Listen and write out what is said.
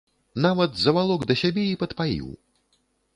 Нават завалок да сябе і падпаіў.